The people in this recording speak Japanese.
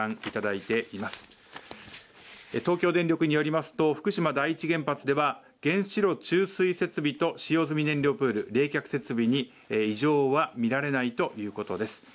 東京電力によりますと福島第１原発では、原子炉注水設備と使用済み燃料プール冷却設備に異常は見られないということです。